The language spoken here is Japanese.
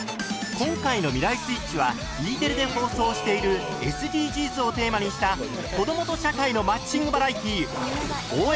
今回の「未来スイッチ」はＥテレで放送しているＳＤＧｓをテーマにした「子どもと社会のマッチングバラエティー応援！